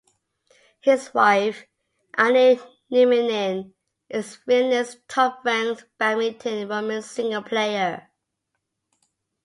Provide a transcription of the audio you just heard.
His wife, Anu Nieminen, is Finland's top-ranked badminton women's single player.